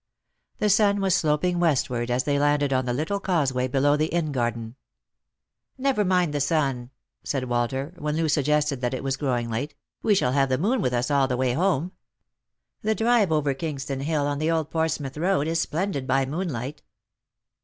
The sun was eloping westward as they landed on the little causeway below the inn garden. " Never mind the sun," said Walter, when Loo suggested that it was growing late ;" we shall have the moon with us all the 106 Lost for Love. way home. The drive over Kingston Hill, on the old Ports mouth road, is splendid by moonlight."